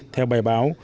theo bài báo